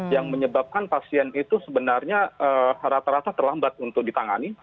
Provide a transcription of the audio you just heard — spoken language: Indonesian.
yang menyebabkan pasien itu sebenarnya rata rata terlambat untuk ditangani